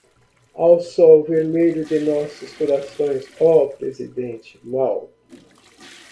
Ao sol vermelho de nossos corações, ó, Presidente Mao